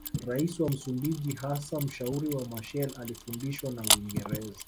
Raia wa Msumbiji hasa mshauri wa Machel alifundishwa na Uingereza